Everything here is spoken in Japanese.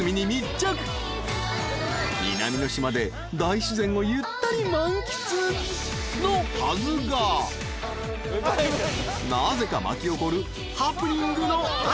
［南の島で大自然をゆったり満喫のはずがなぜか巻き起こる］